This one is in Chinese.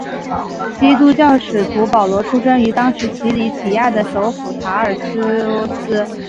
基督教使徒保罗出生于当时奇里乞亚的首府塔尔苏斯。